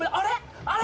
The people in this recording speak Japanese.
あれ！？